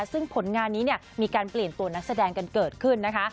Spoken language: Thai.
ซึ่งผลงานนี้มีการเปลี่ยนตัวนักแสดงกันเกิดขึ้นนะคะ